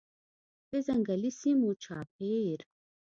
د ځنګلي سیمو چاپیر